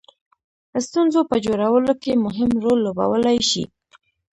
ستونزو په جوړولو کې مهم رول لوبولای شي.